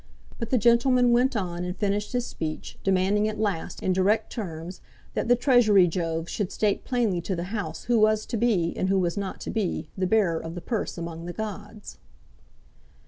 But the gentleman went on and finished his speech, demanding at last, in direct terms, that the Treasury Jove should state plainly to the House who was to be, and who was not to be, the bearer of the purse among the gods.